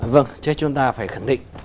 vâng thế chúng ta phải khẳng định